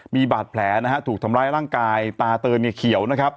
มีบาดแผลถูกทำร้ายร่างกายตาเตินเขียว